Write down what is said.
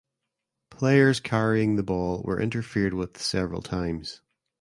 Players carrying the ball were interfered with several times.